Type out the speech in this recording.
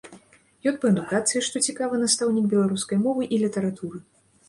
Ён па адукацыі, што цікава, настаўнік беларускай мовы і літаратуры.